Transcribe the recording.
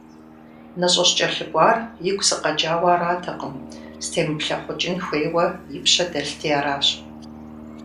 НыщӀыскӀэлъыкӀуар игу сыкъэкӀауэ аратэкъым, стемыплъэкъукӀын хуейуэ и пщэ дэлъти аращ.